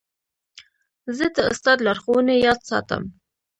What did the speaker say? زه د استاد لارښوونې یاد ساتم.